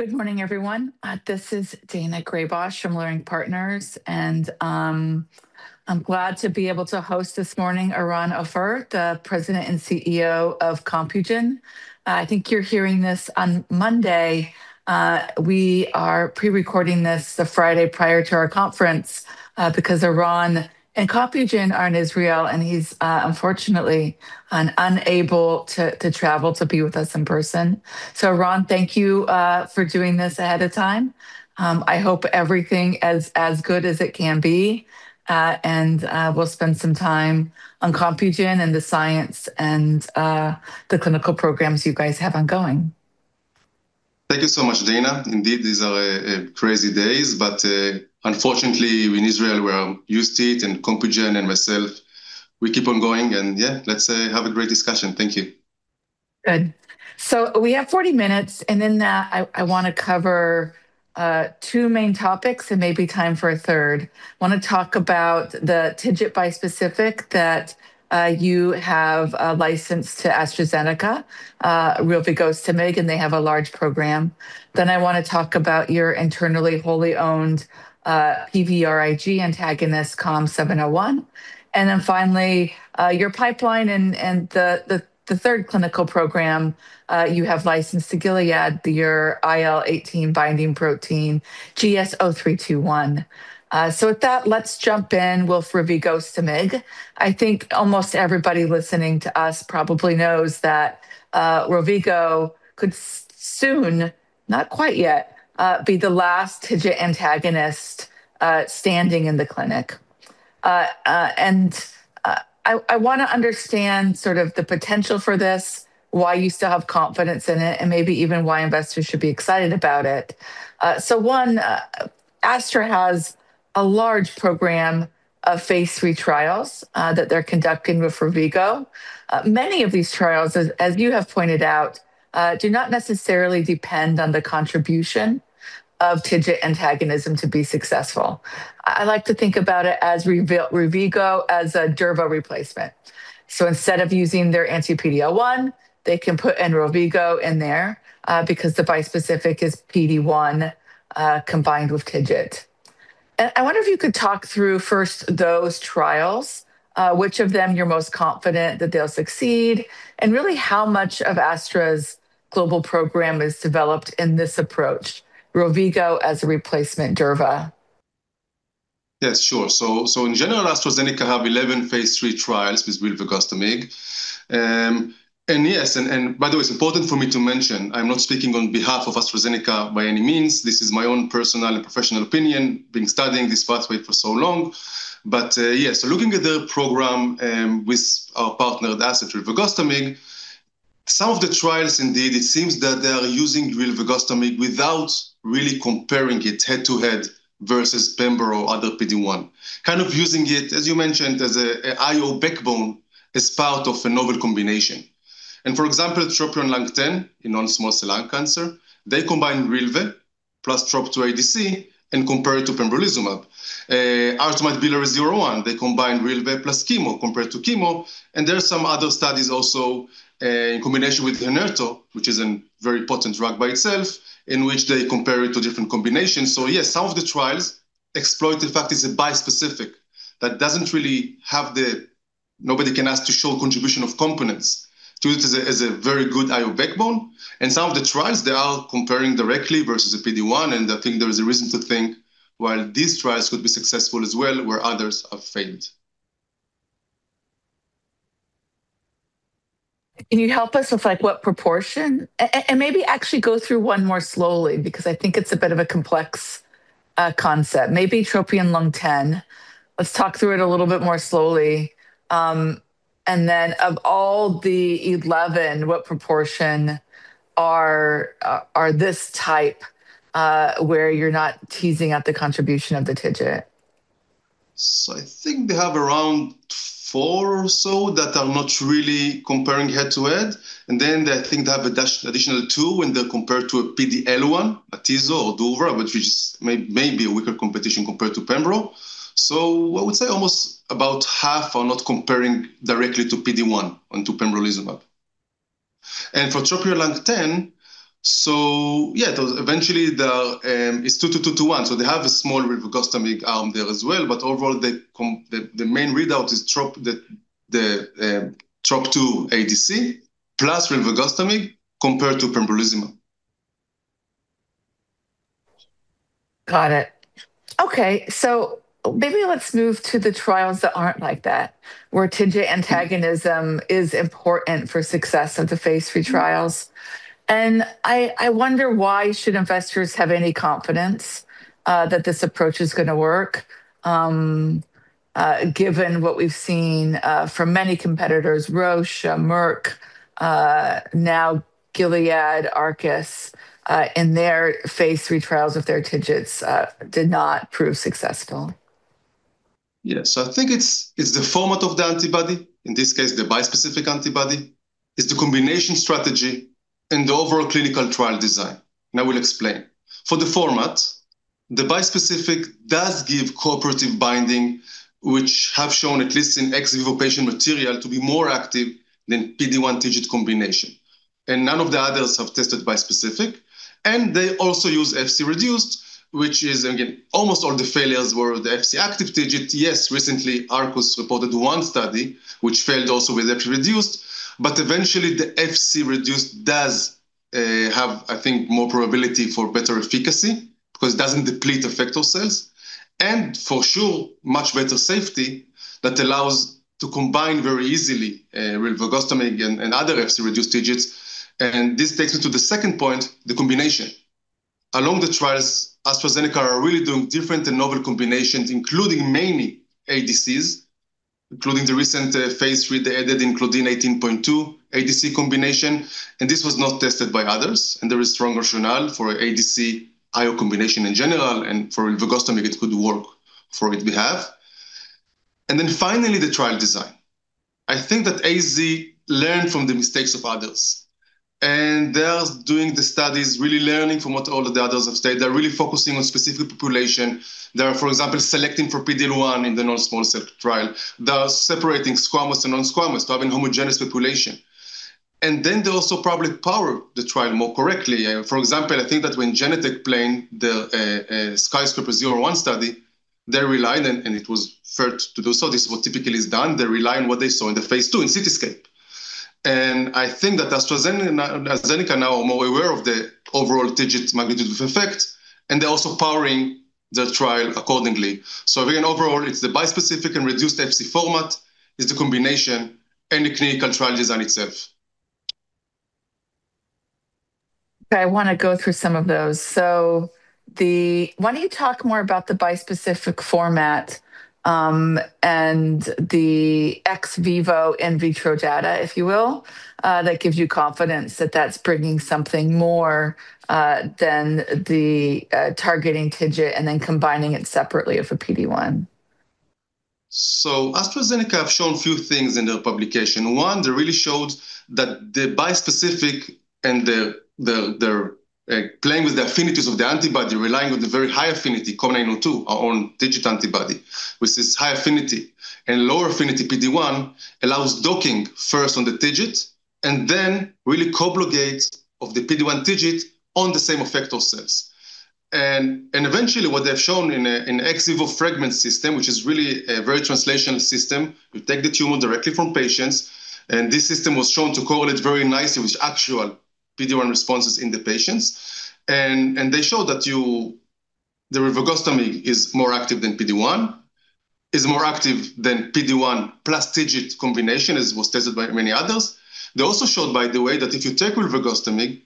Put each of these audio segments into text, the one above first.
Good morning, everyone. This is Daina Graybosch from Leerink Partners, and I'm glad to be able to host this morning Eran Ophir, the President and CEO of Compugen. I think you're hearing this on Monday. We are pre-recording this the Friday prior to our conference, because Eran and Compugen are in Israel, and he's unfortunately unable to travel to be with us in person. Eran, thank you for doing this ahead of time. I hope everything is as good as it can be. We'll spend some time on Compugen and the science and the clinical programs you guys have ongoing. Thank you so much, Daina. Indeed, these are crazy days, but unfortunately in Israel, where I'm used to it and Compugen and myself, we keep on going. Yeah, let's have a great discussion. Thank you. Good. We have 40 minutes, and in that I wanna cover two main topics and maybe time for a third. Wanna talk about the TIGIT bispecific that you have licensed to AstraZeneca, Rilvegogostimig, they have a large program. I wanna talk about your internally wholly owned PVRIG antagonist COM701. Finally, your pipeline and the third clinical program you have licensed to Gilead, your IL-18 binding protein, GS-0321. With that, let's jump in with Rilvegostimig. I think almost everybody listening to us probably knows that rovago could soon, not quite yet, be the last TIGIT antagonist standing in the clinic. I wanna understand sort of the potential for this, why you still have confidence in it, and maybe even why investors should be excited about it. One, Astra has a large program of phase III trials that they're conducting with rilvegostomig. Many of these trials, as you have pointed out, do not necessarily depend on the contribution of TIGIT antagonism to be successful. I like to think about it as rilvegostomig as a durva replacement. Instead of using their anti-PD-L1, they can put an rilvegostomig in there because the bispecific is PD-1 combined with TIGIT. I wonder if you could talk through first those trials, which of them you're most confident that they'll succeed, and really how much of Astra's global program is developed in this approach, rilvegogostimig as a replacement durva. Yes, sure. In general, AstraZeneca have 11 phase III trials with rilvegostomig. Yes, and by the way, it's important for me to mention, I'm not speaking on behalf of AstraZeneca by any means. This is my own personal and professional opinion, been studying this pathway for so long. Yes, looking at the program with our partner at Astra, rilvegostomig, some of the trials indeed, it seems that they are using rilvegostomig without really comparing it head-to-head versus pembro other PD-1. Kind of using it, as you mentioned, as a IO backbone as part of a novel combination. For example, TROPION-Lung10 in non-small cell lung cancer, they combine rova plus TROP-2 ADC and compare it to pembrolizumab. ARTEMIS-001, they combine rova plus chemo compared to chemo. There are some other studies also, in combination with Enhertu, which is an very potent drug by itself, in which they compare it to different combinations. Yes, some of the trials exploit the fact it's a bispecific that doesn't really have nobody can ask to show contribution of components to it as a, as a very good IO backbone. In some of the trials, they are comparing directly versus a PD-1, and I think there is a reason to think while these trials could be successful as well, where others have failed. Can you help us with like what proportion? Maybe actually go through one more slowly because I think it's a bit of a complex concept. Maybe TROPION-Lung10. Let's talk through it a little bit more slowly. Then of all the 11, what proportion are this type, where you're not teasing out the contribution of the TIGIT? I think they have around four or so that are not really comparing head-to-head. Then I think they have additional two, and they're compared to a PD-L1, atezolizumab or durva, which is maybe a weaker competition compared to pembro. I would say almost about half are not comparing directly to PD-1 or to pembrolizumab. For TROPION-Lung10, yeah, those eventually the, it's two to two to one, so they have a small rilvegostomig arm there as well. Overall, the main readout is TROP-2 ADC plus rilvegostomig compared to pembrolizumab. Got it. Maybe let's move to the trials that aren't like that, where TIGIT antagonism is important for success of the phase III trials. I wonder why should investors have any confidence that this approach is gonna work, given what we've seen from many competitors, Roche, Merck, now Gilead, Arcus, and their phase III trials with their TIGITs did not prove successful? I think it's the format of the antibody, in this case, the bispecific antibody. It's the combination strategy and the overall clinical trial design. I will explain. For the format. The bispecific does give cooperative binding which have shown, at least in ex vivo patient material, to be more active than PD-1 TIGIT combination. None of the others have tested bispecific, and they also use Fc-reduced, which is, again, almost all the failures were the Fc-active TIGIT. Recently, Arcus reported one study which failed also with Fc-reduced. Eventually, the Fc-reduced does have, I think, more probability for better efficacy because it doesn't deplete effector cells, and for sure, much better safety that allows to combine very easily with nivolumab and other Fc-reduced TIGITs. This takes me to the second point, the combination. Along the trials, AstraZeneca are really doing different and novel combinations, including mainly ADCs, including the recent phase III they added including 18.2 ADC combination. This was not tested by others. There is strong rationale for ADC IO combination in general and for nivolumab it could work for its behalf. Finally, the trial design. I think that AZ learned from the mistakes of others, they are doing the studies, really learning from what all of the others have said. They're really focusing on specific population. They are, for example, selecting for PD-1 in the non-small cell trial. They are separating squamous and non-squamous to have a homogeneous population. They also probably power the trial more correctly. For example, I think that when Genentech planned the SKYSCRAPER-01 study, they relied on, and it was fair to do so, this is what typically is done, they rely on what they saw in the phase II in CITYSCAPE. I think that AstraZeneca now are more aware of the overall TIGIT magnitude of effect, and they're also powering the trial accordingly. Again, overall, it's the bispecific and reduced Fc format, it's the combination and the clinical trial design itself. Okay, I wanna go through some of those. Why don't you talk more about the bispecific format, and the ex vivo/in vitro data, if you will, that gives you confidence that that's bringing something more than the targeting TIGIT and then combining it separately of a PD-1? AstraZeneca have shown few things in their publication. One, they really showed that the bispecific and their playing with the affinities of the antibody, relying on the very high affinity COM902, our own TIGIT antibody, which is high affinity, and lower affinity PD-1 allows docking first on the TIGIT and then really co-blockade of the PD-1 TIGIT on the same effector cells. Eventually, what they've shown in ex vivo fragment system, which is really a very translational system, we take the tumor directly from patients, and this system was shown to correlate very nicely with actual PD-1 responses in the patients. They showed that the nivolumab is more active than PD-1, is more active than PD-1 plus TIGIT combination, as was tested by many others. They also showed, by the way, that if you take nivolumab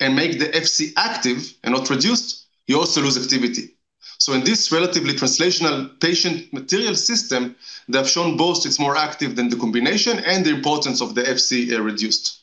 and make the FC active and not reduced, you also lose activity. In this relatively translational patient material system, they have shown both it's more active than the combination and the importance of the FC reduced.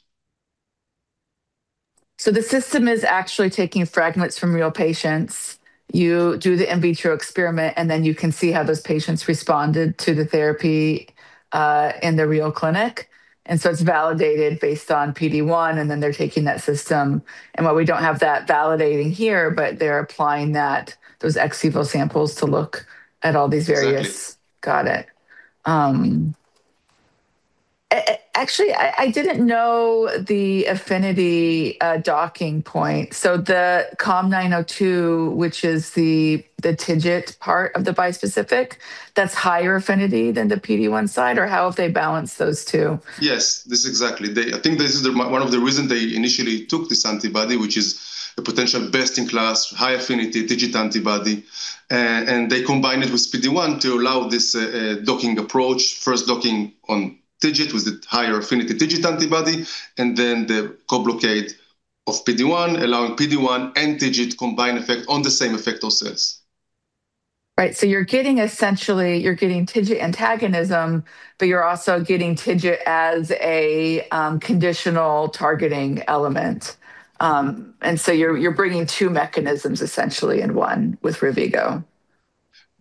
The system is actually taking fragments from real patients. You do the in vitro experiment, then you can see how those patients responded to the therapy in the real clinic. It's validated based on PD-1, then they're taking that system. While we don't have that validating here, but they're applying that, those ex vivo samples to look at all these. Exactly. Got it. actually, I didn't know the affinity, docking point. The COM902, which is the TIGIT part of the bispecific, that's higher affinity than the PD-1 side? How have they balanced those two? Yes. This exactly. I think this is one of the reason they initially took this antibody, which is a potential best in class, high affinity TIGIT antibody. They combined it with PD-1 to allow this docking approach. First docking on TIGIT with the higher affinity TIGIT antibody, and then the co-blockade of PD-1, allowing PD-1 and TIGIT combined effect on the same effector cells. Right. You're getting TIGIT antagonism, but you're also getting TIGIT as a conditional targeting element. You're bringing two mechanisms essentially in one with rilvegostomig.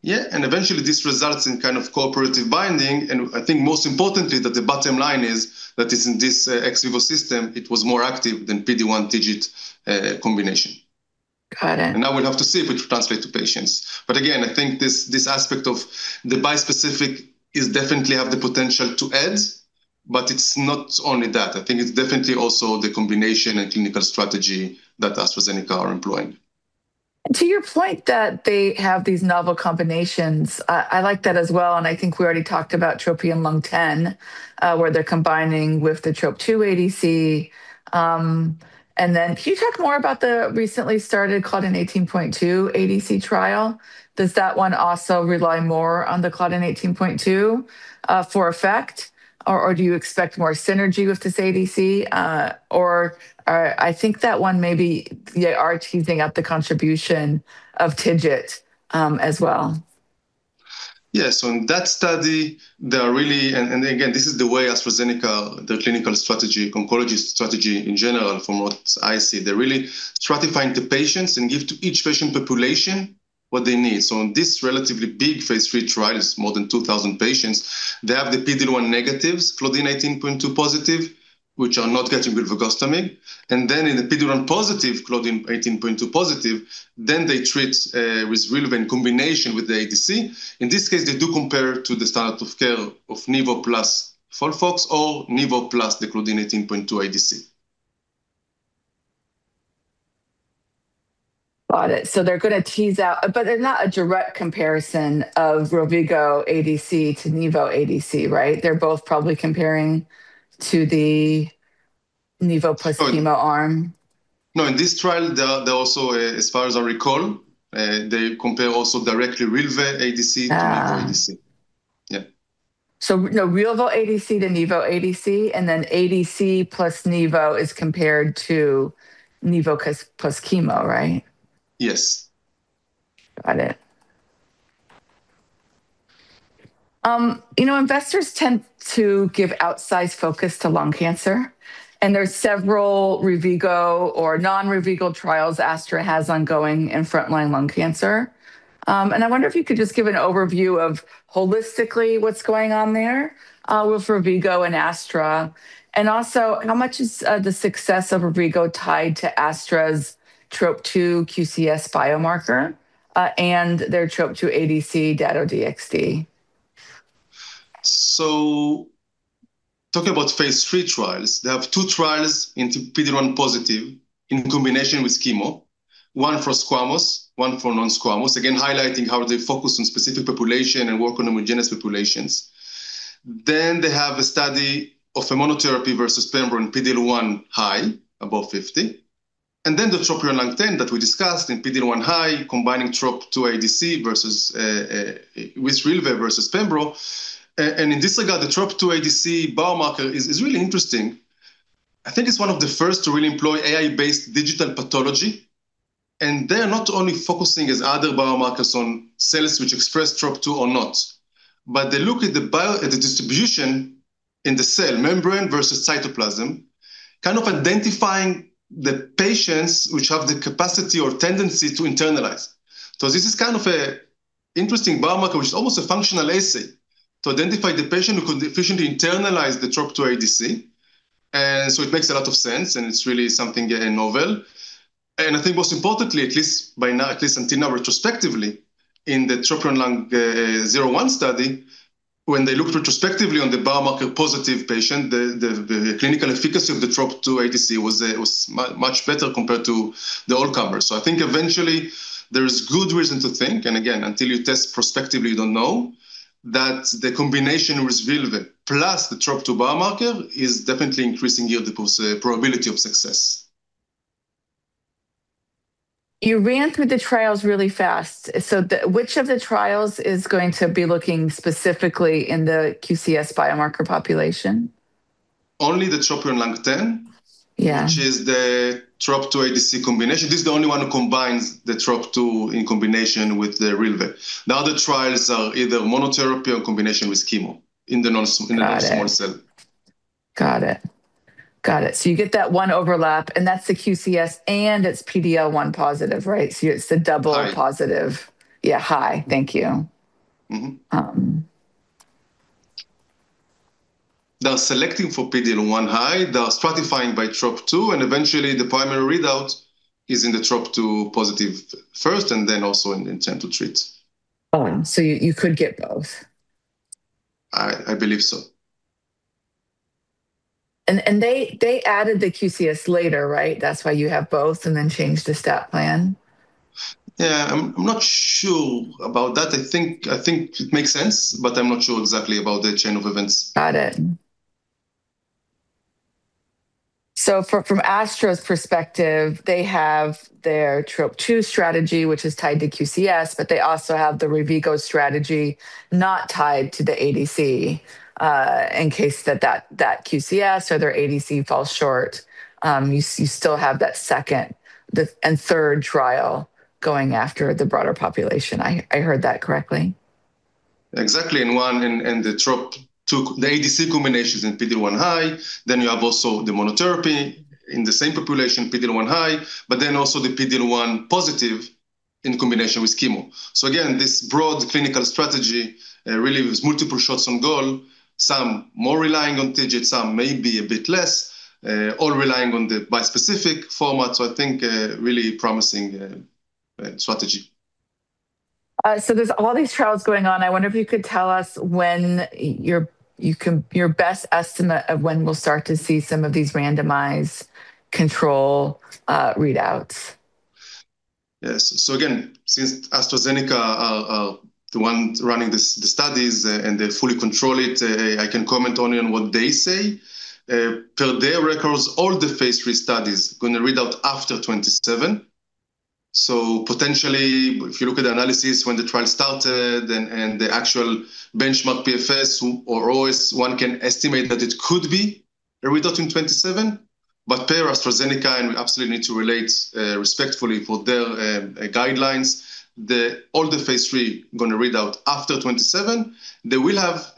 Yeah. Eventually, this results in kind of cooperative binding. I think most importantly that the bottom line is that is in this ex vivo system, it was more active than PD-1 TIGIT combination. Got it. Now we'll have to see if it will translate to patients. Again, I think this aspect of the bispecific is definitely have the potential to add, but it's not only that. I think it's definitely also the combination and clinical strategy that AstraZeneca are employing. To your point that they have these novel combinations, I like that as well, and I think we already talked about TROPION-Lung10, where they're combining with the TROP-2 ADC. Then can you talk more about the recently started claudin 18.2 ADC trial? Does that one also rely more on the claudin 18.2 for effect or do you expect more synergy with this ADC? I think that one maybe they are teasing out the contribution of TIGIT as well. Yes. In that study, they are really. Again, this is the way AstraZeneca, their clinical strategy, oncology strategy in general, from what I see, they're really stratifying the patients and give to each patient population what they need. In this relatively big phase III trial, it's more than 2,000 patients, they have the PD-1 negatives, claudin 18.2 positive, which are not getting bevacizumab. In the PD-L1 positive claudin 18.2 positive, then they treat with relevant combination with the ADC. In this case, they do compare to the standard of care of nivo plus FOLFOX or nivo plus the claudin 18.2 ADC. Got it. They're going to tease out. Not a direct comparison of Rilvigo ADC to nivo ADC, right? They're both probably comparing to the nivo. Oh, yeah.... Chemo arm. No, in this trial, also, as far as I recall, they compare also directly Rilvigo ADC- Ah.... To nivo ADC. Yeah. No Rilvigo ADC to nivo ADC plus nivo is compared to nivo plus chemo, right? Yes. Got it. you know, investors tend to give outsize focus to lung cancer, there's several Rilvigo or non-Rilvigo trials Astra has ongoing in frontline lung cancer. I wonder if you could just give an overview of holistically what's going on there with Rilvigo and Astra? Also, how much is the success of Rilvigo tied to Astra's TROP-2 QCS biomarker and their TROP-2 ADC Dato-DXd? Talking about phase III trials, they have two trials into PD-L1-positive in combination with chemo, one for squamous, one for non-squamous, again, highlighting how they focus on specific population and work on homogeneous populations. They have a study of a monotherapy versus pembro in PD-L1-high, above 50. The TROPION-Lung10 that we discussed in PD-L1-high, combining TROP-2 ADC versus with rilvegostomig versus pembro. In this regard, the TROP-2 ADC biomarker is really interesting. I think it's one of the first to really employ AI-based digital pathology, and they're not only focusing as other biomarkers on cells which express TROP-2 or not. They look at the distribution in the cell membrane versus cytoplasm, kind of identifying the patients which have the capacity or tendency to internalize. This is kind of a interesting biomarker, which is almost a functional assay to identify the patient who could efficiently internalize the TROP-2 ADC. It makes a lot of sense, and it's really something novel. I think most importantly, at least by now, at least until now, retrospectively, in the TROPION-Lung01 study, when they looked retrospectively on the biomarker-positive patient, the clinical efficacy of the TROP-2 ADC was much better compared to the all-comers. I think eventually there is good reason to think, and again, until you test prospectively, you don't know, that the combination with rilva plus the TROP-2 biomarker is definitely increasing yield, probability of success. You ran through the trials really fast. Which of the trials is going to be looking specifically in the QCS biomarker population? Only the TROPION-Lung10. Yeah. Which is the TROP-2 ADC combination. This is the only one who combines the TROP-2 in combination with the rilva. The other trials are either monotherapy or combination with chemo in the. Got it.... In the non-small cell. Got it. Got it. You get that one overlap, and that's the QCS, and it's PD-L1 positive, right? It's the double- High. Positive. Yeah, high. Thank you. They're selecting for PD-L1 high. They are stratifying by TROP-2, and eventually the primary readout is in the TROP-2 positive first and then also in intent to treat. Oh, you could get both? I believe so. They added the QCS later, right? That's why you have both and then changed the stat plan. Yeah. I'm not sure about that. I think it makes sense, but I'm not sure exactly about the chain of events. Got it. From Astra's perspective, they have their TROP-2 strategy, which is tied to QCS, but they also have the rilvegostomig strategy not tied to the ADC. In case QCS or their ADC falls short, you still have that second and third trial going after the broader population. I heard that correctly? Exactly. In the TROP-2, the ADC combination is in PD-L1 high. You have also the monotherapy in the same population, PD-L1 high, but also the PD-L1 positive in combination with chemo. Again, this broad clinical strategy, really with multiple shots on goal, some more relying on TROP, some maybe a bit less, all relying on the bispecific format. I think a really promising strategy. There's all these trials going on. I wonder if you could tell us when your best estimate of when we'll start to see some of these randomized control readouts? Again, since AstraZeneca are the ones running the studies and they fully control it, I can comment only on what they say. Per their records, all the phase III studies gonna read out after 27. Potentially, if you look at the analysis when the trial started and the actual benchmark PFS or OS, one can estimate that it could be a readout in 27. Per AstraZeneca, and we absolutely need to relate respectfully for their guidelines, all the phase III gonna read out after 27. They will have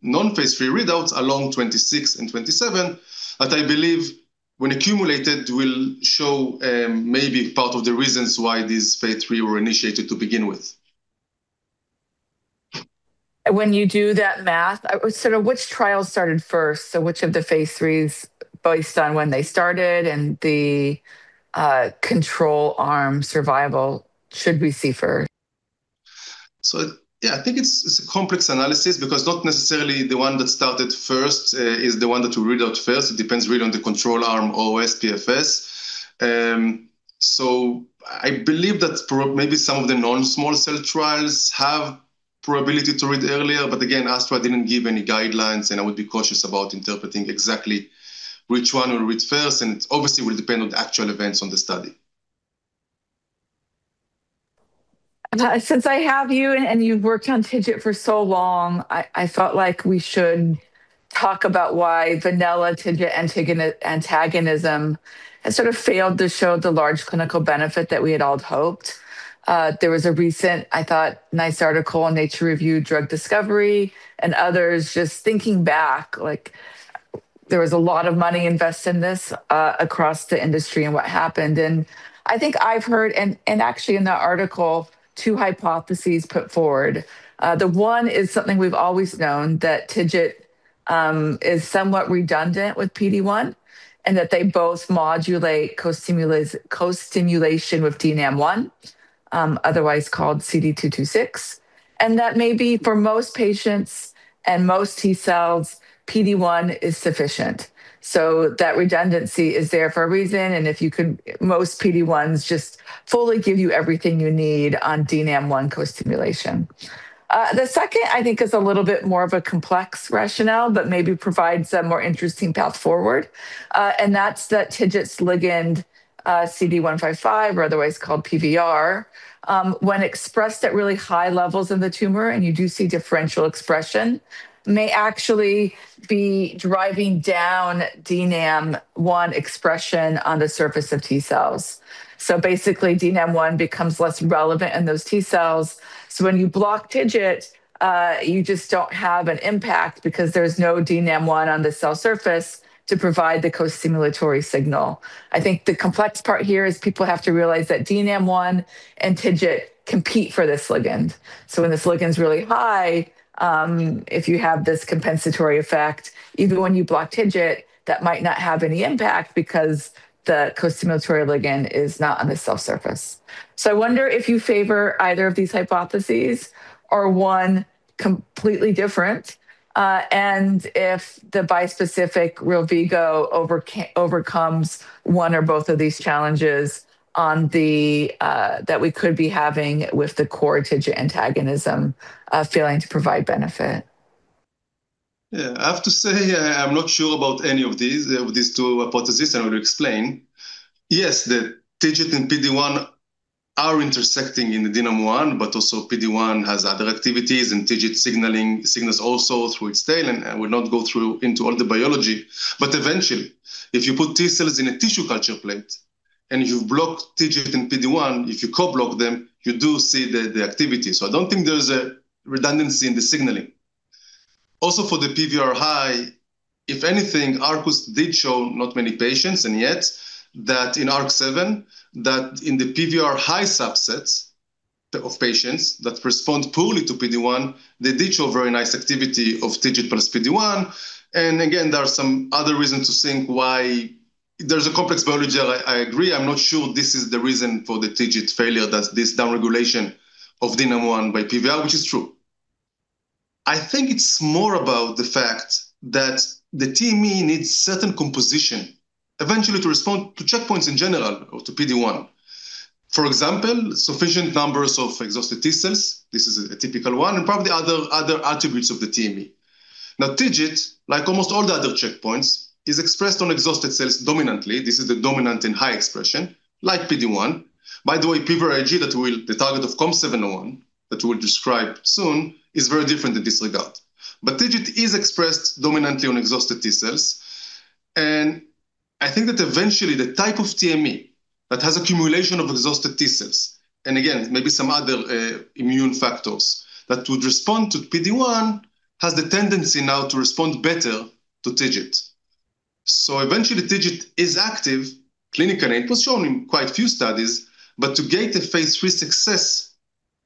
non-phase III readouts along 26 and 27 that I believe when accumulated will show maybe part of the reasons why these phase III were initiated to begin with. When you do that math, sort of which trial started first? Which of the phase IIIs based on when they started and the control arm survival should we see first? Yeah, I think it's a complex analysis because not necessarily the one that started first is the one that will read out first. It depends really on the control arm, OS, PFS. I believe that maybe some of the non-small cell trials have probability to read earlier, but again, Astra didn't give any guidelines, and I would be cautious about interpreting exactly which one will read first, and it obviously will depend on the actual events on the study. Since I have you and you've worked on TIGIT for so long, I felt like we should talk about why vanilla TIGIT antagonism has sort of failed to show the large clinical benefit that we had all hoped. There was a recent, I thought, nice article in Nature Reviews Drug Discovery, and others just thinking back, like, there was a lot of money invested in this across the industry and what happened. I think I've heard and actually in the article, two hypotheses put forward. The one is something we've always known, that TIGIT is somewhat redundant with PD-1, and that they both modulate co-stimulation with DNAM-1, otherwise called CD226. That maybe for most patients and most T-cells, PD-1 is sufficient. That redundancy is there for a reason, and if you could-- most PD-1s just fully give you everything you need on DNAM-1 co-stimulation. The second I think is a little bit more of a complex rationale, but maybe provides a more interesting path forward, and that's the TIGIT's ligand, CD155, or otherwise called PVR. When expressed at really high levels in the tumor, and you do see differential expression, may actually be driving down DNAM-1 expression on the surface of T cells. Basically, DNAM-1 becomes less relevant in those T cells. When you block TIGIT, you just don't have an impact because there's no DNAM-1 on the cell surface to provide the co-stimulatory signal. I think the complex part here is people have to realize that DNAM-1 and TIGIT compete for this ligand. When this ligand's really high, if you have this compensatory effect, even when you block TIGIT, that might not have any impact because the co-stimulatory ligand is not on the cell surface. I wonder if you favor either of these hypotheses or one completely different, and if the bispecific Rilvigo overcomes one or both of these challenges on the that we could be having with the core TIGIT antagonism, failing to provide benefit. I have to say, I am not sure about any of these two hypotheses. I will explain. Yes, the TIGIT and PD-1 are intersecting in the DNAM-1, also PD-1 has other activities, TIGIT signaling signals also through its tail. I will not go through into all the biology. Eventually, if you put T-cells in a tissue culture plate and you block TIGIT and PD-1, if you co-block them, you do see the activity. I don't think there's a redundancy in the signaling. Also, for the PVR high, if anything, Arcus did show not many patients, and yet that in ARC-7, that in the PVR high subsets of patients that respond poorly to PD-1, they did show very nice activity of TIGIT plus PD-1. Again, there are some other reasons to think why there's a complex biology. I agree. I'm not sure this is the reason for the TIGIT failure, that's this downregulation of DNAM-1 by PVR, which is true. I think it's more about the fact that the TME needs certain composition eventually to respond to checkpoints in general or to PD-1. For example, sufficient numbers of exhausted T cells, this is a typical one, and probably other attributes of the TME. TIGIT, like almost all the other checkpoints, is expressed on exhausted cells dominantly. This is the dominant and high expression, like PD-1. PVRIG, the target of COM701, that we'll describe soon, is very different in this regard. TIGIT is expressed dominantly on exhausted T cells, and I think that eventually the type of TME that has accumulation of exhausted T cells, and again, maybe some other immune factors that would respond to PD-1, has the tendency now to respond better to TIGIT. Eventually, TIGIT is active clinically, and it was shown in quite a few studies. To get a phase III success,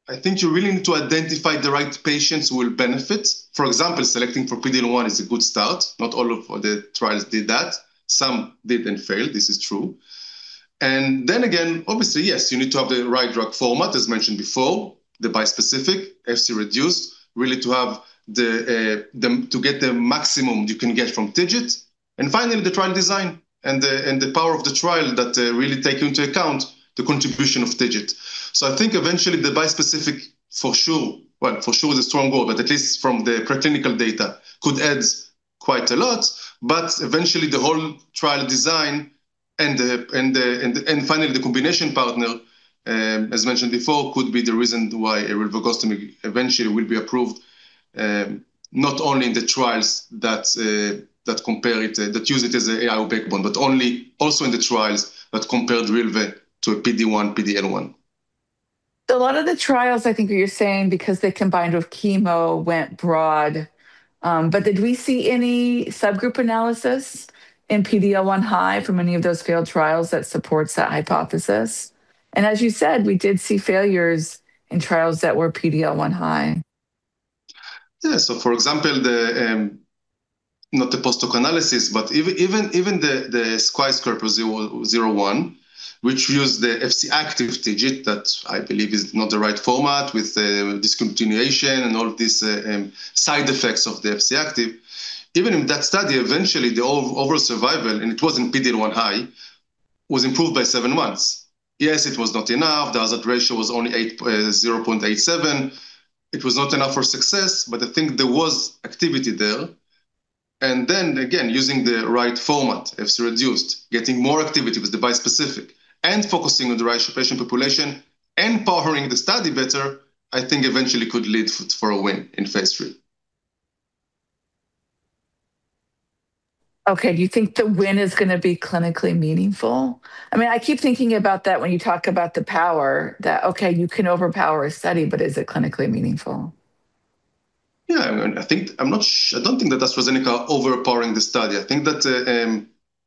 I think you really need to identify the right patients who will benefit. For example, selecting for PD-L1 is a good start. Not all of the trials did that. Some did and failed. This is true. Again, obviously, yes, you need to have the right drug format, as mentioned before, the bispecific, Fc-reduced, really to have the to get the maximum you can get from TIGIT. Finally, the trial design and the, and the power of the trial that really take into account the contribution of TIGIT. I think eventually the bispecific for sure is a strong word, but at least from the preclinical data could add quite a lot. Eventually the whole trial design and the, and the, and finally the combination partner, as mentioned before, could be the reason why Rilvegostimig eventually will be approved, not only in the trials that compare it, that use it as an IO backbone, but only also in the trials that compared rilve to a PD-1, PD-L1. A lot of the trials, I think you're saying, because they combined with chemo, went broad. Did we see any subgroup analysis in PD-L1 high from any of those failed trials that supports that hypothesis? As you said, we did see failures in trials that were PD-L1 high. For example, the, not the post-hoc analysis, but even, even the SKYSCRAPER-01, which used the Fc-enabled TIGIT that I believe is not the right format with the discontinuation and all of these, side effects of the Fc-enabled. Even in that study, eventually the overall survival, and it was in PD-L1-high, was improved by seven months. It was not enough. The hazard ratio was only 0.87. It was not enough for success, but I think there was activity there. Again, using the right format, Fc reduced, getting more activity with the bispecific and focusing on the right patient population and powering the study better, I think eventually could lead for a win in phase III. Do you think the win is gonna be clinically meaningful? I mean, I keep thinking about that when you talk about the power that, okay, you can overpower a study, but is it clinically meaningful? Yeah. I mean, I don't think that AstraZeneca overpowering the study. I think that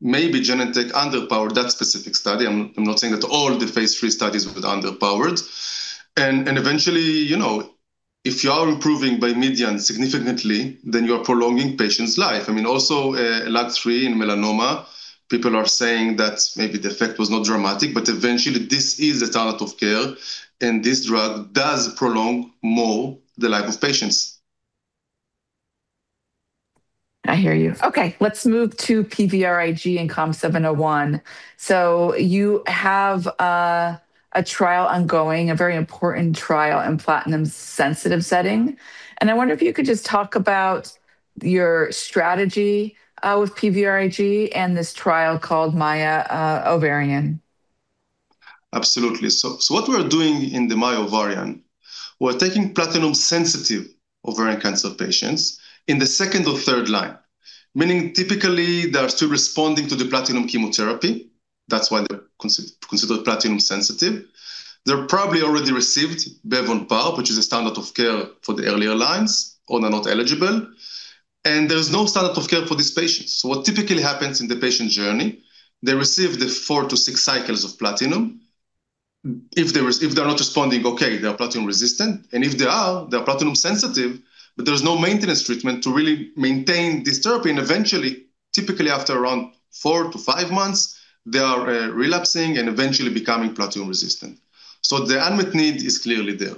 maybe Genentech underpowered that specific study. I'm not saying that all the phase III studies were underpowered. Eventually, you know, if you are improving by median significantly, then you are prolonging patient's life. I mean, also, LAG-3 in melanoma, people are saying that maybe the effect was not dramatic, but eventually this is a standard of care, and this drug does prolong more the life of patients. I hear you. Okay. Let's move to PVRIG in COM701. You have a trial ongoing, a very important trial in platinum-sensitive setting. I wonder if you could just talk about your strategy with PVRIG and this trial called MAIA ovarian? Absolutely. What we're doing in the MAIA ovarian, we're taking platinum-sensitive ovarian cancer patients in the second or third line, meaning typically they are still responding to the platinum chemotherapy. That's why they're considered platinum sensitive. They've probably already received bev on pembro, which is a standard of care for the earlier lines or they're not eligible, there's no standard of care for these patients. What typically happens in the patient journey, they receive the four to six cycles of platinum. If they're not responding, they are platinum resistant. If they are, they are platinum sensitive, there's no maintenance treatment to really maintain this therapy. Eventually, typically after around four to five months, they are relapsing and eventually becoming platinum resistant. The unmet need is clearly there.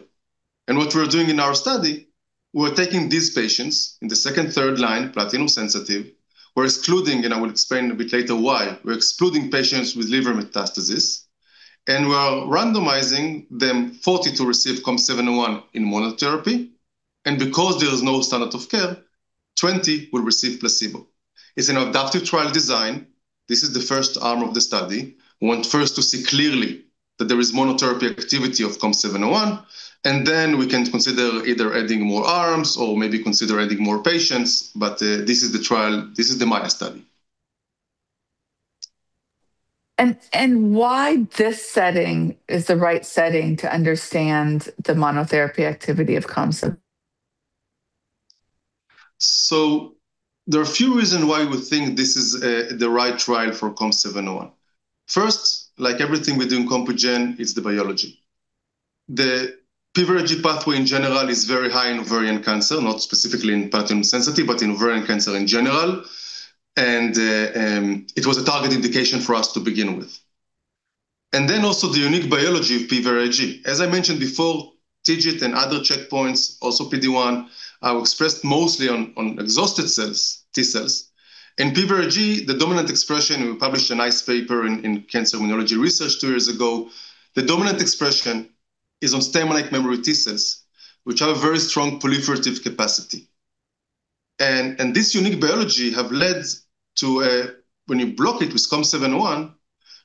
What we're doing in our study, we're taking these patients in the second, third line, platinum-sensitive. We're excluding, and I will explain a bit later why, we're excluding patients with liver metastasis, and we're randomizing them 40 to receive COM701 in monotherapy. Because there is no standard of care, 20 will receive placebo. It's an adaptive trial design. This is the first arm of the study. We want first to see clearly that there is monotherapy activity of COM701, and then we can consider either adding more arms or maybe consider adding more patients. This is the MAIA study. Why this setting is the right setting to understand the monotherapy activity of COM701? There are a few reasons why we think this is the right trial for COM701. First, like everything we do in Compugen, it's the biology. The PVRIG pathway in general is very high in ovarian cancer, not specifically in platinum-sensitive, but in ovarian cancer in general, and it was a target indication for us to begin with. Also the unique biology of PVRIG. As I mentioned before, TIGIT and other checkpoints, also PD-L1, were expressed mostly on exhausted T cells. In PVRIG, the dominant expression, and we published a nice paper in Cancer Immunology Research two years ago, the dominant expression is on stem-like memory T cells, which have very strong proliferative capacity. This unique biology have led to when you block it with COM701,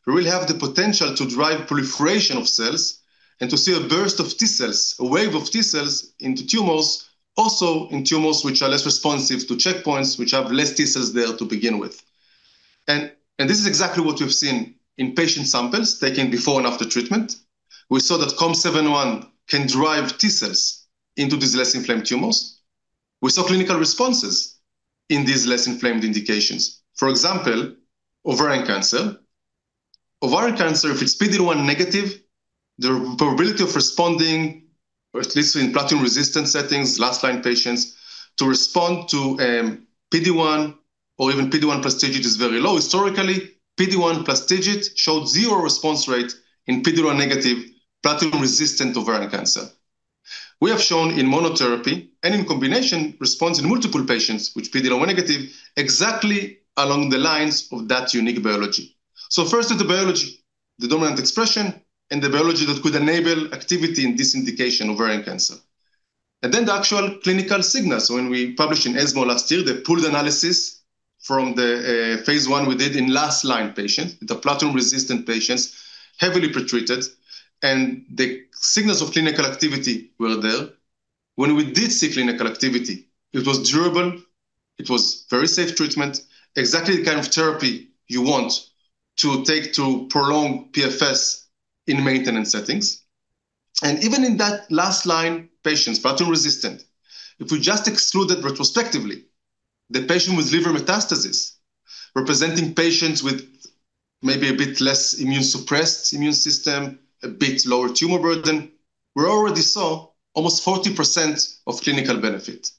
we really have the potential to drive proliferation of cells and to see a burst of T cells, a wave of T cells into tumors, also in tumors which are less responsive to checkpoints which have less T cells there to begin with. This is exactly what we've seen in patient samples taken before and after treatment. We saw that COM701 can drive T cells into these less inflamed tumors. We saw clinical responses in these less inflamed indications. For example, ovarian cancer. Ovarian cancer, if it's PD-L1 negative, the probability of responding, or at least in platinum-resistant settings, last line patients, to respond to PD-L1 or even PD-L1 plus TIGIT is very low. Historically, PD-L1 plus TIGIT showed 0 response rate in PD-L1 negative platinum-resistant ovarian cancer. We have shown in monotherapy and in combination response in multiple patients with PD-L1 negative exactly along the lines of that unique biology. First is the biology, the dominant expression, and the biology that could enable activity in this indication, ovarian cancer. The actual clinical signals. When we published in ESMO last year, they pulled analysis from the phase I we did in last line patients, the platinum-resistant patients, heavily pretreated, and the signals of clinical activity were there. Even in that last line, patients platinum resistant, if we just excluded retrospectively the patient with liver metastasis, representing patients with maybe a bit less immune suppressed immune system, a bit lower tumor burden, we already saw almost 40% of clinical benefit.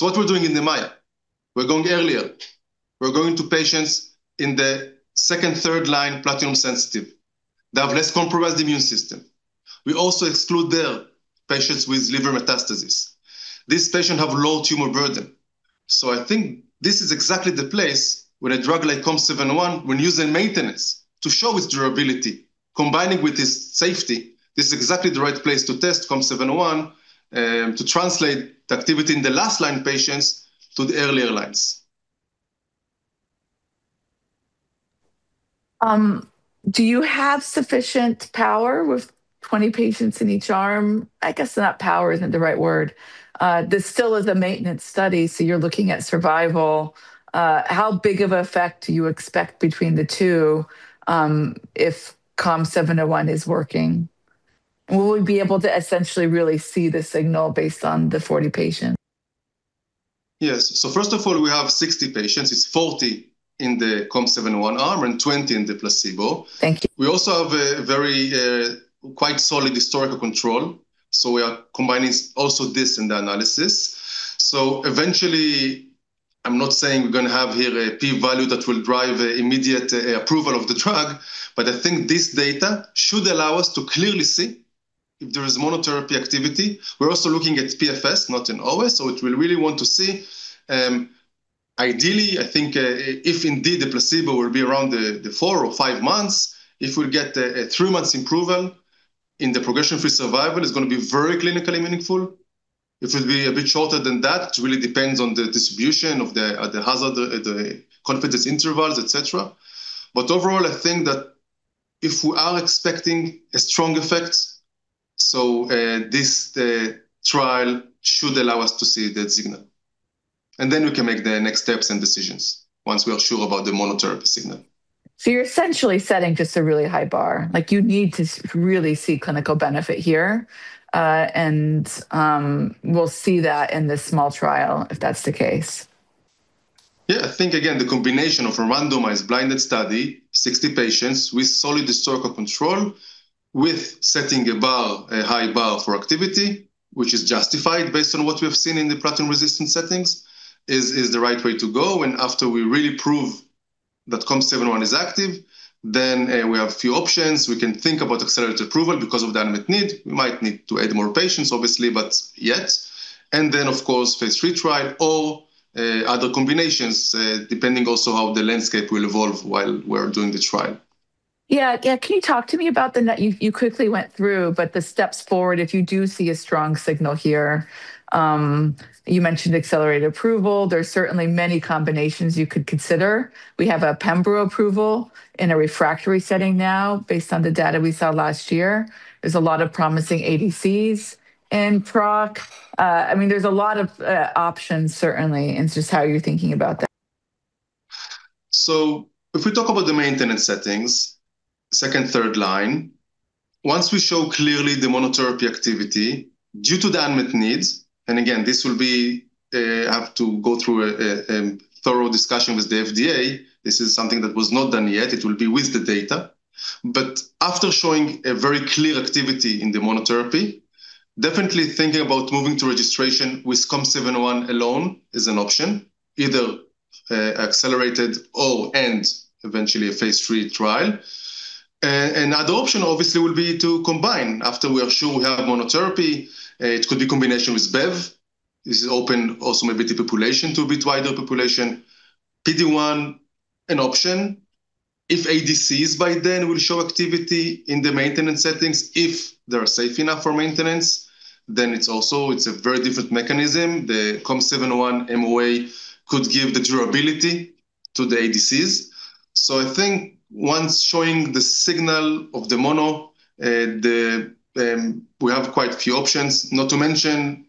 What we're doing in the MAIA, we're going earlier. We're going to patients in the second, third line platinum sensitive that have less compromised immune system. We also exclude there patients with liver metastasis. These patients have low tumor burden. I think this is exactly the place where a drug like COM701 when used in maintenance to show its durability, combining with its safety, this is exactly the right place to test COM701 to translate the activity in the last line patients to the earlier lines. Do you have sufficient power with 20 patients in each arm? I guess not power isn't the right word. This still is a maintenance study, so you're looking at survival. How big of effect do you expect between the two, if COM701 is working? Will we be able to essentially really see the signal based on the 40 patients? Yes. First of all, we have 60 patients. It's 40 in the COM701 arm and 20 in the placebo. Thank you. We also have a very, quite solid historical control. We are combining also this in the analysis. Eventually, I'm not saying we're gonna have here a p-value that will drive immediate approval of the drug, but I think this data should allow us to clearly see if there is monotherapy activity. We're also looking at PFS, not in OS. It will really want to see. Ideally, I think, if indeed the placebo will be around the four or five months, if we get a three-months improvement in the progression-free survival, it's gonna be very clinically meaningful. If it will be a bit shorter than that, it really depends on the distribution of the hazard, the confidence intervals, et cetera. Overall, I think that if we are expecting a strong effect, this trial should allow us to see that signal. Then we can make the next steps and decisions once we are sure about the monotherapy signal. You're essentially setting just a really high bar. Like, you need to really see clinical benefit here, and, we'll see that in this small trial if that's the case. Yeah. I think again, the combination of a randomized blinded study, 60 patients with solid historical control, with setting a bar, a high bar for activity, which is justified based on what we have seen in the platinum-resistant settings, is the right way to go. After we really prove that COM701 is active, then we have a few options. We can think about accelerated approval because of the unmet need. We might need to add more patients, obviously, but yet. Then, of course, phase III trial or other combinations, depending also how the landscape will evolve while we're doing the trial. Yeah. Can you talk to me about the you quickly went through, but the steps forward if you do see a strong signal here? You mentioned accelerated approval. There's certainly many combinations you could consider. We have a pembro approval in a refractory setting now based on the data we saw last year. There's a lot of promising ADCs in proc. I mean, there's a lot of options certainly into just how you're thinking about that. If we talk about the maintenance settings, second, third line, once we show clearly the monotherapy activity due to the unmet needs, and again, this will be have to go through a thorough discussion with the FDA. This is something that was not done yet. It will be with the data. After showing a very clear activity in the monotherapy, definitely thinking about moving to registration with COM701 alone is an option, either accelerated or/and eventually a phase III trial. Another option obviously will be to combine after we are sure we have monotherapy. It could be combination with Bev. This is open also maybe to population, to a bit wider population. PD-1, an option. If ADCs by then will show activity in the maintenance settings, if they are safe enough for maintenance, then it's a very different mechanism. The COM701 MOA could give the durability to the ADCs. I think once showing the signal of the mono, we have quite a few options, not to mention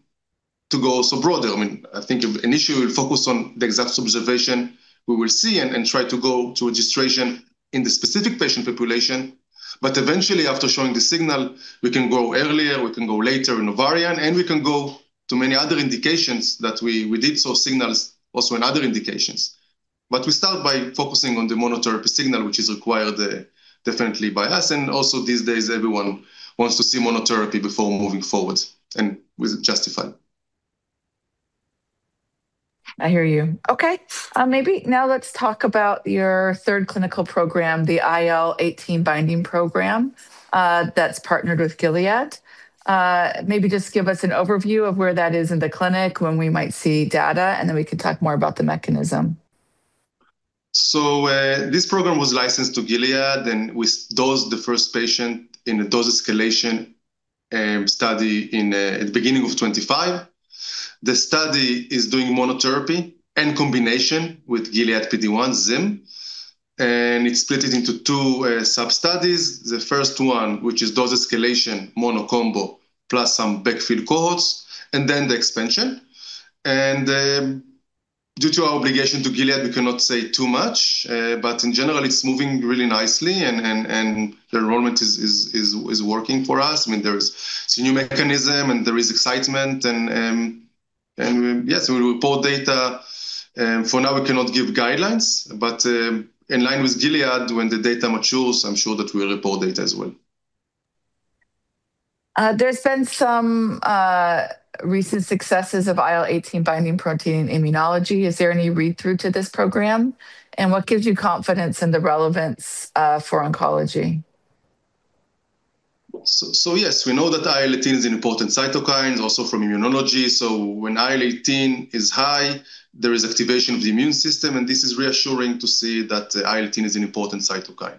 to go also broader. I mean, I think initially we'll focus on the exact observation we will see and try to go to registration in the specific patient population. Eventually, after showing the signal, we can go earlier, we can go later in ovarian, and we can go to many other indications that we did saw signals also in other indications. We start by focusing on the monotherapy signal, which is required, definitely by us. Also these days, everyone wants to see monotherapy before moving forward, and it was justified. I hear you. Okay. Maybe now let's talk about your third clinical program, the IL-18 binding program, that's partnered with Gilead. Maybe just give us an overview of where that is in the clinic, when we might see data, and then we could talk more about the mechanism? This program was licensed to Gilead, and we dosed the first patient in a dose escalation study at the beginning of 25. The study is doing monotherapy and combination with Gilead PD-1 zimberelimab, and it's split it into two sub-studies. The first one, which is dose escalation, mono combo, plus some backfill cohorts, and then the expansion. Due to our obligation to Gilead, we cannot say too much. But in general, it's moving really nicely and the enrollment is working for us. I mean, there is it's a new mechanism and there is excitement and yes, we report data. For now we cannot give guidelines, but in line with Gilead, when the data matures, I'm sure that we'll report data as well. There's been some recent successes of IL-18 binding protein in immunology. Is there any read-through to this program? What gives you confidence in the relevance for oncology? Yes, we know that IL-18 is an important cytokine, also from immunology. When IL-18 is high, there is activation of the immune system, and this is reassuring to see that IL-18 is an important cytokine.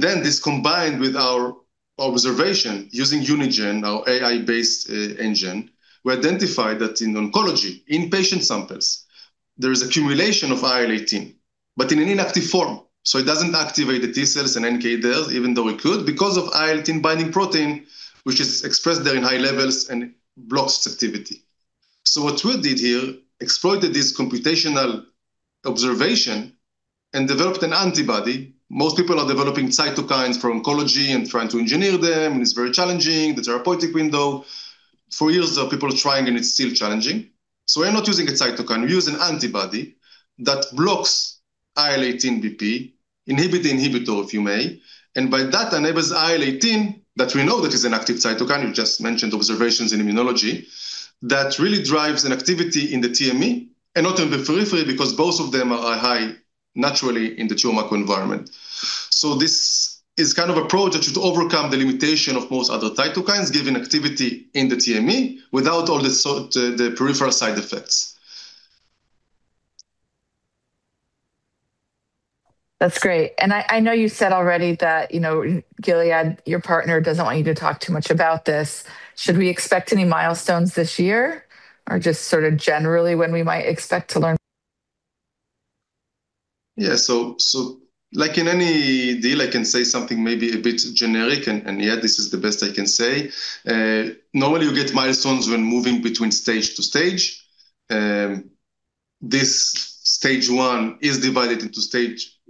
This combined with our observation using Unigen, our AI-based engine, we identified that in oncology, in patient samples, there is accumulation of IL-18, but in an inactive form, so it doesn't activate the T cells and NK cells, even though it could, because of IL-18 binding protein, which is expressed there in high levels and blocks its activity. What we did here, exploited this computational observation and developed an antibody. Most people are developing cytokines for oncology and trying to engineer them, and it's very challenging, the therapeutic window. For years, though, people are trying and it's still challenging. We're not using a cytokine. We use an antibody that blocks IL-18BP, inhibit the inhibitor, if you may, and by that enables IL-18 that we know that is an active cytokine, you just mentioned observations in immunology, that really drives an activity in the TME and not in the periphery because both of them are high naturally in the tumor microenvironment. This is kind of approach that should overcome the limitation of most other cytokines, giving activity in the TME without all the peripheral side effects. That's great. I know you said already that, you know, Gilead, your partner, doesn't want you to talk too much about this. Should we expect any milestones this year, or just sort of generally when we might expect to learn? Yeah. Like in any deal, I can say something maybe a bit generic, and yeah, this is the best I can say. Normally you get milestones when moving between stage to stage. This stage 1 is divided into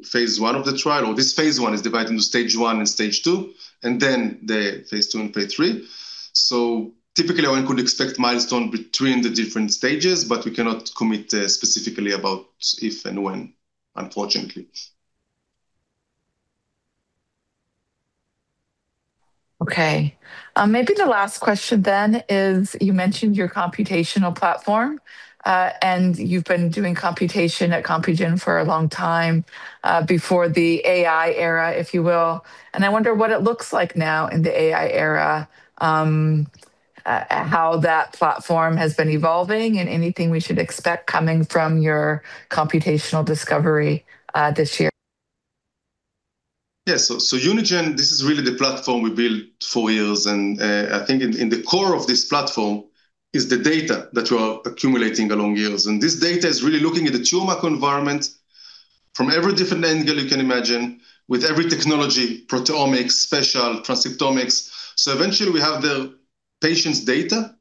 phase I of the trial, or this phase I is divided into stage 1 and stage 2, and then the phase IIand phase III. Typically, one could expect milestone between the different stages, but we cannot commit specifically about if and when, unfortunately. Okay. Maybe the last question then is you mentioned your computational platform, and you've been doing computation at Compugen for a long time, before the AI era, if you will, and I wonder what it looks like now in the AI era, how that platform has been evolving and anything we should expect coming from your computational discovery this year? Unigen, this is really the platform we built for years, and I think in the core of this platform is the data that we're accumulating along years. This data is really looking at the tumor microenvironment from every different angle you can imagine with every technology, proteomics, spatial, transcriptomics. Eventually, we have the patient's data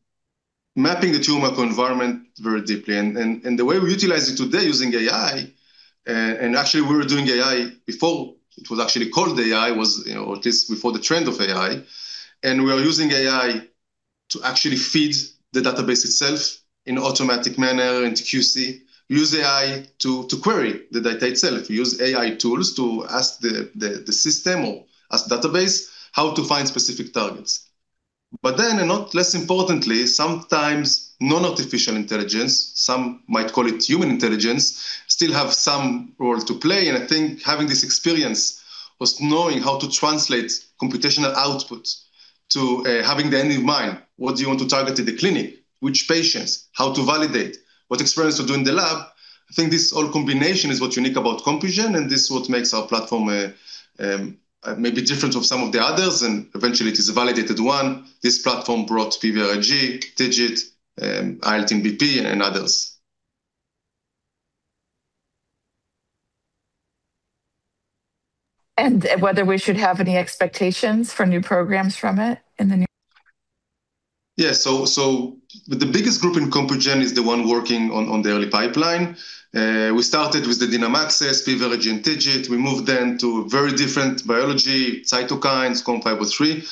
mapping the tumor microenvironment very deeply. The way we utilize it today using AI, and actually we were doing AI before it was actually called AI, was, you know, at least before the trend of AI. We are using AI to actually feed the database itself in automatic manner into QC, use AI to query the data itself. We use AI tools to ask the system or ask database how to find specific targets. Not less importantly, sometimes non-artificial intelligence, some might call it human intelligence, still have some role to play. I think having this experience was knowing how to translate computational output to having the end in mind. What do you want to target in the clinic? Which patients? How to validate? What experiments to do in the lab? I think this all combination is what's unique about Compugen, and this is what makes our platform maybe different of some of the others, and eventually it is a validated one. This platform brought PVRIG, TIGIT, ILDR2 and others. Whether we should have any expectations for new programs from it in the near?- Yeah. The biggest group in Compugen is the one working on the early pipeline. We started with the DNAM axis, PVRIG and TIGIT. We moved then to very different biology, cytokines, COM503.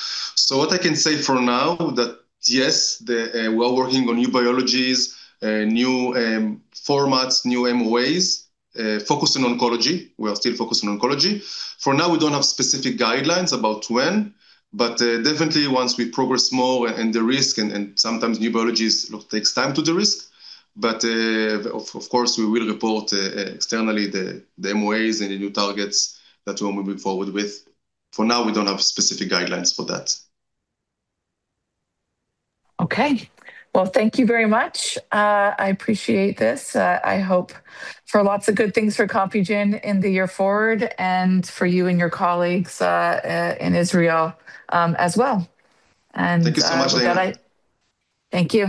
What I can say for now that, yes, the we are working on new biologies, new formats, new MOAs, focused on oncology. We are still focused on oncology. For now, we don't have specific guidelines about when, but definitely once we progress more and the risk and sometimes new biologies takes time to de-risk. Of course, we will report externally the MOAs and the new targets that we're moving forward with. For now, we don't have specific guidelines for that. Okay. Well, thank you very much. I appreciate this. I hope for lots of good things for Compugen in the year forward and for you and your colleagues, in Israel, as well. Thank you so much, Daina. Thank you.